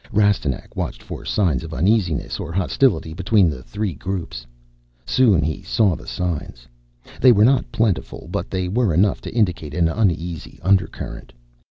Rastignac watched for signs of uneasiness or hostility between the three groups. Soon he saw the signs. They were not plentiful, but they were enough to indicate an uneasy undercurrent.